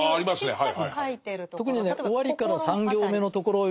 はい。